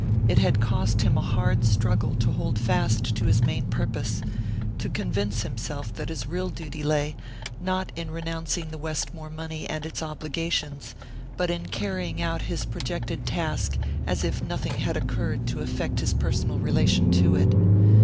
It had cost him a hard struggle to hold fast to his main purpose, to convince himself that his real duty lay, not in renouncing the Westmore money and its obligations, but in carrying out his projected task as if nothing had occurred to affect his personal relation to it.